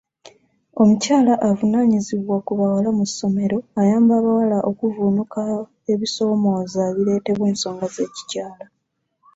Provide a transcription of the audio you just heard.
Omukyala avunaanyizibwa ku bawala mu ssomero ayamba abawala okuvvunuka ebisoomooza ebireetebwa ensonga z'ekikyala.